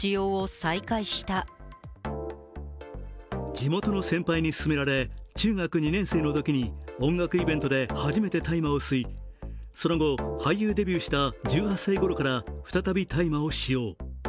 地元の先輩に勧められ中学２年生のときに音楽イベントで初めて大麻を吸い、その後、俳優デビューした１８歳ごろから再び、大麻を使用。